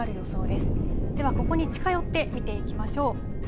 ではここに近寄って見ていきましょう。